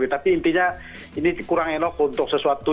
tapi intinya ini kurang elok untuk sesuatu